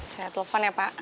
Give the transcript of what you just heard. saya telepon ya pak